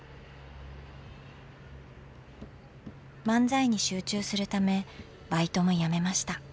漫才に集中するためバイトもやめました。